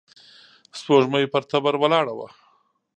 سپوږمۍ پر تبر ولاړه وه.